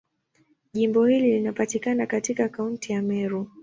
Jimbo hili linapatikana katika Kaunti ya Meru.